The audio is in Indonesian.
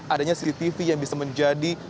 adanya cctv yang bisa menjadi